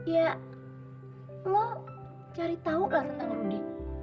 ya lo cari tau lah tentang rudy